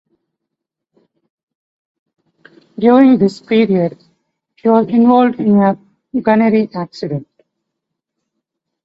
During this period, she was involved in a gunnery accident.